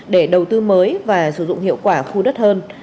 để đầu tư mới và sử dụng hiệu quả khu đất hơn